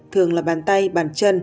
thường là bàn tay bàn chân